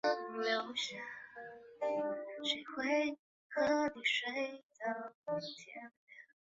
锥果石笔木为山茶科石笔木属下的一个种。